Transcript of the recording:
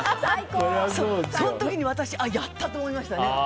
その時に私やった！って思いましたね。